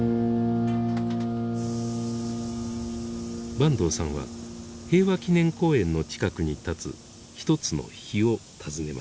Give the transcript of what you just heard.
坂東さんは平和記念公園の近くに建つ一つの碑を訪ねました。